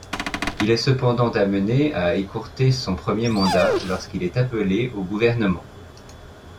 Il est cependant amené à écourter son premier mandat lorsqu'il est appelé au gouvernement.